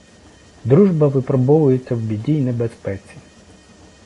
Дружба випробовується в біді й небезпеці.